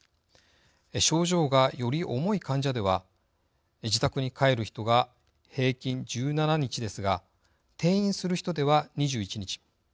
症状がより重い患者では自宅に帰る人が平均１７日ですが転院する人では２１日。